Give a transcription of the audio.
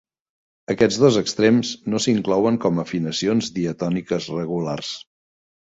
Aquests dos extrems no s'inclouen com a afinacions diatòniques regulars.